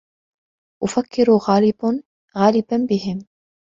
أفكر غالبا بهم.